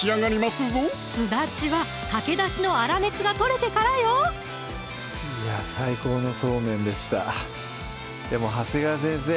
すだちはかけだしの粗熱が取れてからよいや最高のそうめんでしたでも長谷川先生